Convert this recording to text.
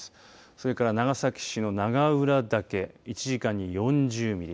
それから長崎市の長浦岳、１時間に４０ミリ